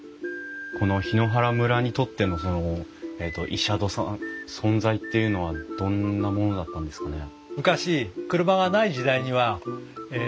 この檜原村にとってのその医者殿さん存在っていうのはどんなものだったんですかね？